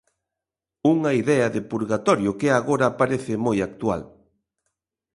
Unha idea de purgatorio que agora parece moi actual.